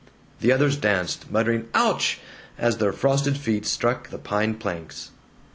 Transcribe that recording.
The others danced, muttering "Ouch!" as their frosted feet struck the pine planks.